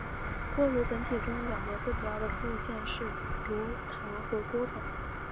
锅炉本体中两个最主要的部件是炉膛和锅筒。